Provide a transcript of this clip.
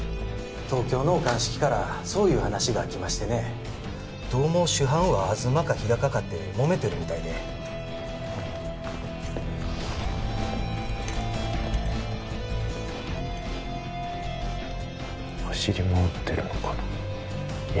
東京の鑑識からそういう話がきましてねどうも主犯は東か日高かってモメてるみたいで走り回ってるのかな